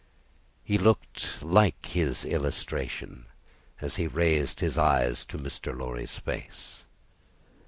He looked like his illustration, as he raised his eyes to Mr. Lorry's face.